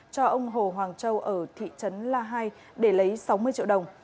cho ông hồ hoàng châu ở thị trấn la hai để lấy sáu mươi triệu đồng